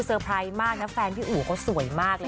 ใช่อย่าไปคิดว่า